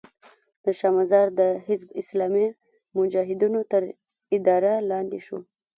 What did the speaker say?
شا مزار د حزب اسلامي مجاهدینو تر اداره لاندې شو.